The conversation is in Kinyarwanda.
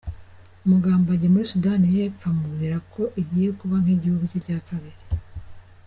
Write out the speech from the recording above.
Mugambage muri Sudani y’Epfo amubwira ko igiye kuba nk’igihugu cye cya kabiri.